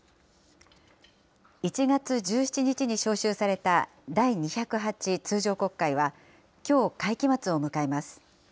１月１７日に召集された第２０８通常国会はきょう、会期末を迎えます。